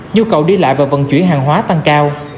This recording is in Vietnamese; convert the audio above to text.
nhu cầu đi lại và vận chuyển hàng hóa tăng cao